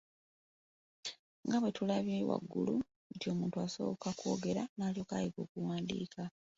Nga bwetulabye waggulu nti omuntu asooka kwogera n'alyoka ayiga okuwandiika.